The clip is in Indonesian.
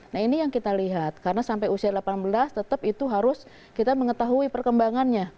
nah ini yang kita lihat karena sampai usia delapan belas tetap itu harus kita mengetahui perkembangannya